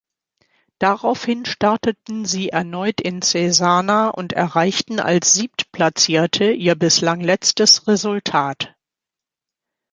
Daraufhin starteten sie erneut in Cesana und erreichten als Siebtplatzierte ihr bislang letztes Resultat.